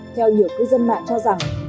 theo nhiều cư dân mạng cho rằng